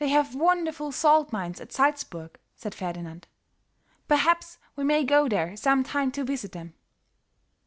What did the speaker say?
"They have wonderful salt mines at Salzburg," said Ferdinand. "Perhaps we may go there some time to visit them."